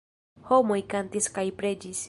Homoj kantis kaj preĝis.